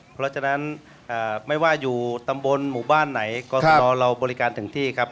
เพราะฉะนั้นไม่ว่าอยู่ตำบลหมู่บ้านไหนกรสนเราบริการถึงที่ครับ